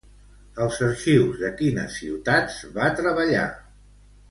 Als arxius de quines ciutats va treballar?